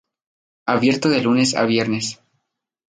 Abierto de lunes a viernes.